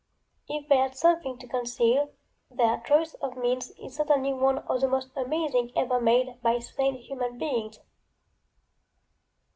If they had something to conceal, their choice of means is certainly one of the most amazing ever made by sane human beings.